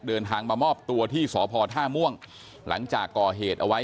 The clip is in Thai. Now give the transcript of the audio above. เดินทางมามอบตัวที่สพท่าม่วงหลังจากก่อเหตุเอาไว้